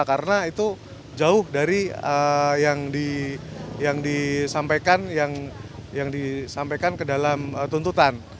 karena itu jauh dari yang disampaikan ke dalam tuntutan